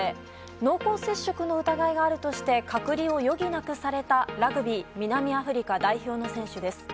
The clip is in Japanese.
濃厚接触の疑いがあるとして隔離を余儀なくされたラグビー南アフリカ代表の選手。